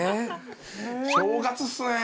正月っすね。